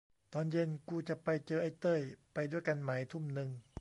ตอนเย็นกูจะไปเจอไอ้เต้ย ไปด้วยกันไหม ทุ่มนึง